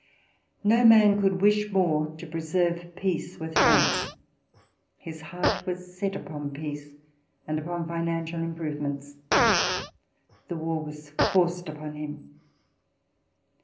No man could wish more to preserve peace with France. His heart was set upon peace, and upon financial improvements. The war was forced upon him.